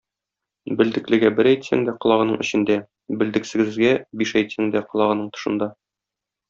Белдеклегә бер әйтсәң дә колагының эчендә, белдексезгә биш әйтсәң дә колагының тышында.